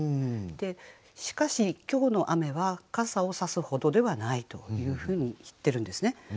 しかし今日の雨は傘をさすほどではないというふうに言ってるんですね。